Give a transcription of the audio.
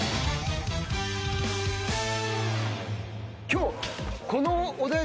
今日。